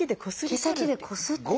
毛先でこすって。